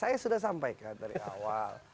saya sudah sampaikan dari awal